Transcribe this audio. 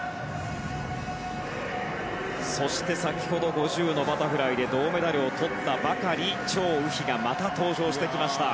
そして先ほど５０のバタフライで銅メダルをとったばかりチョウ・ウヒがまた登場してきました。